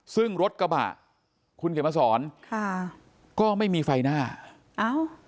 ซึ่งรถกระบะคุณเขียนมาสอนค่ะก็ไม่มีไฟหน้าอ้าว